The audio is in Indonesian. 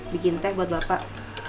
bikin teh buat bapak